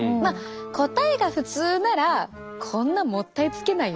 答えが普通ならこんなもったいつけないよね。